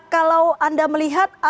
kalau anda melihat